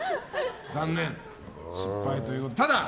残念、失敗ということで。